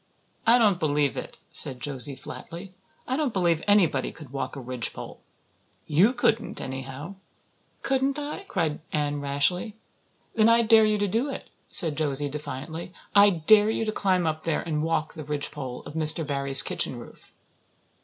"I don't believe it," said Josie flatly. "I don't believe anybody could walk a ridgepole. You couldn't, anyhow." "Couldn't I?" cried Anne rashly. "Then I dare you to do it," said Josie defiantly. "I dare you to climb up there and walk the ridgepole of Mr. Barry's kitchen roof."